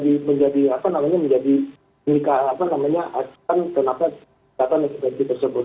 ini akan menjadi kenapa kejahatan ekstremis tersebut